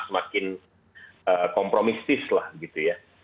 semakin kompromistis lah gitu ya